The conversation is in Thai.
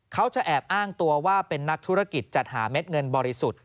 เขาจะแอบอ้างตัวว่าเป็นนักธุรกิจจัดหาเม็ดเงินบริสุทธิ์